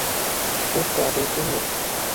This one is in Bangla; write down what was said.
স্যুটটা বেশ সুন্দর।